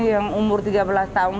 yang umur tiga belas tahun